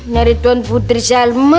dari tuan putri salma